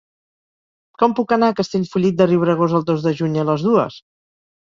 Com puc anar a Castellfollit de Riubregós el dos de juny a les dues?